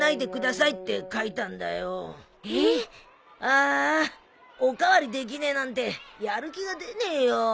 あーあお代わりできねえなんてやる気が出ねえよ。